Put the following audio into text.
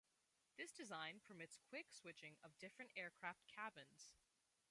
This design permits quick switching of different aircraft cabins.